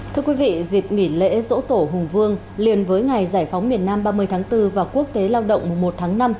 thưa quý vị dịp nghỉ lễ dỗ tổ hùng vương liền với ngày giải phóng miền nam ba mươi tháng bốn và quốc tế lao động mùa một tháng năm